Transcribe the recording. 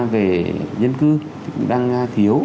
về nhân cư cũng đang thiếu